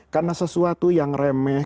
karena sesuatu yang remeh